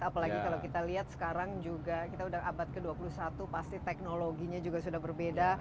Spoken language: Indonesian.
apalagi kalau kita lihat sekarang juga kita sudah abad ke dua puluh satu pasti teknologinya juga sudah berbeda